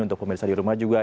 untuk pemirsa di rumah juga